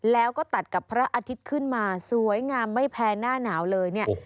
แล้วก็ตัดกับพระอาทิตย์ขึ้นมาสวยงามไม่แพ้หน้าหนาวเลยเนี่ย